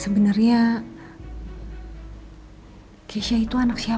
jawab yang jujur ya